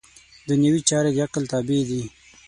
دنیوي چارې د عقل تابع دي.